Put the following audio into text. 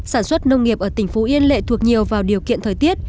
sản xuất nông nghiệp ở tỉnh phú yên lệ thuộc nhiều vào điều kiện thời tiết